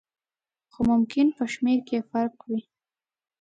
خو ممکن په شمېر کې یې فرق وي.